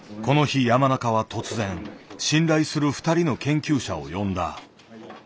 この日山中は突然信頼する２人の研究者を呼んだ。